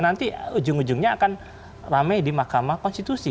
nanti ujung ujungnya akan rame di mahkamah konstitusi